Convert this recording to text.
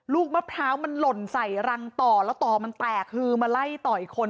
ลูกมะพร้าวมันหล่นใส่รังต่อแล้วต่อมันแตกคือมาไล่ต่อยคน